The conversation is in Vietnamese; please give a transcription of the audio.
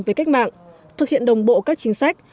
với cách mạng thực hiện đồng bộ các chính sách